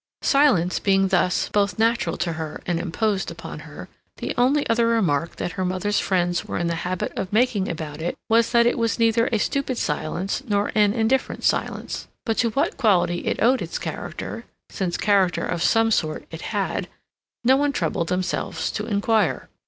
Silence being, thus, both natural to her and imposed upon her, the only other remark that her mother's friends were in the habit of making about it was that it was neither a stupid silence nor an indifferent silence. But to what quality it owed its character, since character of some sort it had, no one troubled themselves to inquire.